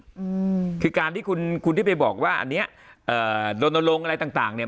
อืมคือการที่คุณคุณที่ไปบอกว่าอันเนี้ยเอ่อลนลงอะไรต่างต่างเนี้ย